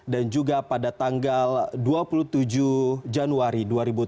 dan juga pada tanggal dua puluh tujuh januari dua ribu tujuh belas